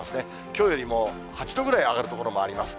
きょうよりも８度ぐらい上がる所もあります。